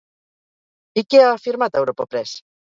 I què ha afirmat Europa Press?